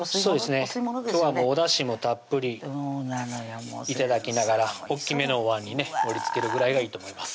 今日はおだしもたっぷり頂きながら大きめのおわんに盛りつけるぐらいがいいと思います